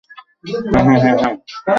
হ্যাঁ - হ্যাঁ - হ্যাঁ।